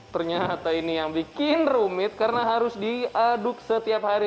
ternyata ini yang bikin rumit karena harus diaduk setiap hari